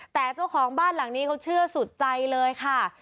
แต่เจ้าของบ้านหลังนี้เขาเชื่อสุดใจเลยค่ะ